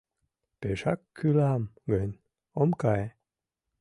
Пешак кӱлам гын, ом кае.